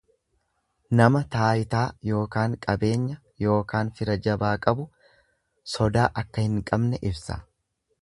Nama taayitaa, ykn qabeenya ykn fira jabaa qabu sodaa akka hin qabne ibsa.